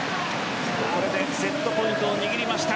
ここでセットポイントを握りました。